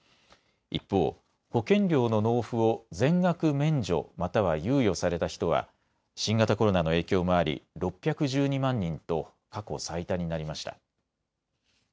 一方、保険料の納付を全額免除、または猶予された人は新型コロナの影響もあり６１２万人と過去最多になりました。